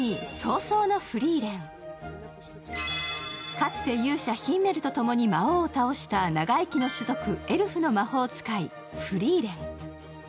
かつて勇者ヒンメルと共に魔王を倒した長生きの種族フリーレン。